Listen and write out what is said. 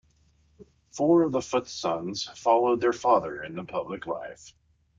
Four of the Foots' sons followed their father into public life.